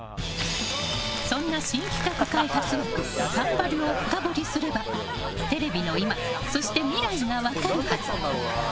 そんな新企画開発枠「サンバリュ」を深掘りすればテレビの今そして未来が分かるはず。